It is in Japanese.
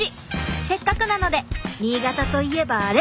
せっかくなので「新潟といえばアレ」